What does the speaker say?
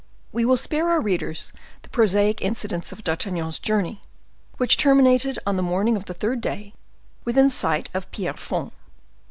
We will spare our readers the prosaic incidents of D'Artagnan's journey, which terminated on the morning of the third day within sight of Pierrefonds.